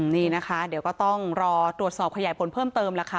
นี่นะคะเดี๋ยวก็ต้องรอตรวจสอบขยายผลเพิ่มเติมแล้วค่ะ